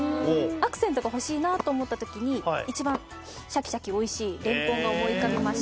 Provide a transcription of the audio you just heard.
アクセントが欲しいなと思ったときに一番シャキシャキおいしいれんこんが思い浮かびまして。